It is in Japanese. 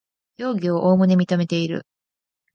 容疑をおおむね認めている